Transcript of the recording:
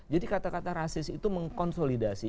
jadi kata kata rasis itu mengkonsolidasi